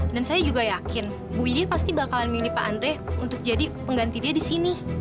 dan saya juga yakin bu widya pasti bakalan milih pak andre untuk jadi pengganti dia di sini